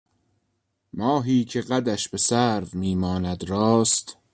ماهی که قدش به سرو میماند راست